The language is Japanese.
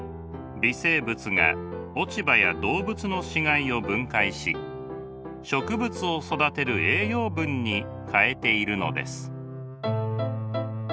微生物が落葉や動物の死骸を分解し植物を育てる栄養分に変えているのです。